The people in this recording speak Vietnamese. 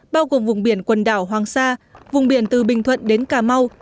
bao gồm vùng biển quần đảo hoàng sa vùng biển từ bình thuận đến cà mau